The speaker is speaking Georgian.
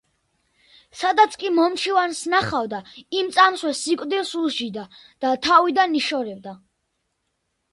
სადაც კი მომჩივანს ნახავდა, იმ წამსვე სიკვდილს უსჯიდა და თავიდან იშორებდა.